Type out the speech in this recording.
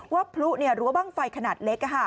พลุรั้วบ้างไฟขนาดเล็ก